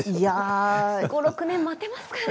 ５、６年待てますかね。